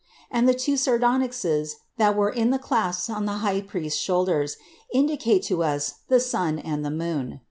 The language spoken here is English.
And the two sardonyxes that were in the clasps on the high priest's shoulders, indicate to us the sun and the moon.